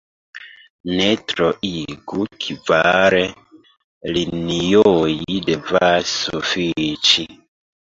Ne troigu: kvar linioj devas sufiĉi.